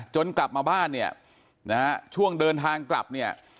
กลับมาบ้านเนี่ยนะฮะช่วงเดินทางกลับเนี่ย